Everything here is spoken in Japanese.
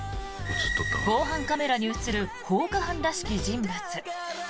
防犯カメラに映る放火犯らしき人物。